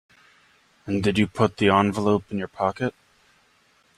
And did you put the envelope in your pocket?